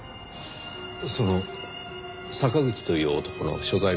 その坂口という男の所在は？